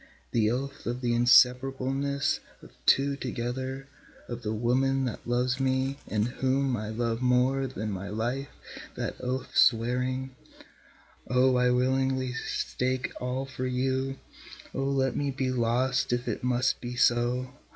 The oath of the inseparableness of two together, of the woman that loves me and whom I love more than my life, that oath swearing, (O I willingly stake all for you, O let me be lost if it must be so!